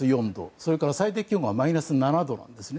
それから最低気温がマイナス７度なんですね。